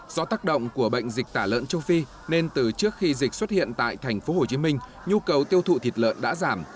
do tác động của bệnh dịch tả lợn châu phi nên từ trước khi dịch xuất hiện tại tp hcm nhu cầu tiêu thụ thịt lợn đã giảm